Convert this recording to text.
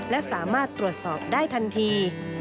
และสามารถตรวจสอบได้ทันที